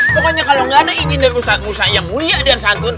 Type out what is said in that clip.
pokoknya kalau nggak ada izin dari ustadz musa yang mulia dengan santun